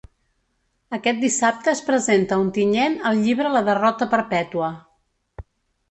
Aquest dissabte es presenta a Ontinyent el llibre La derrota perpètua.